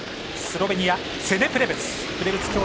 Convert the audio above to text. スロベニア、ツェネ・プレブツ。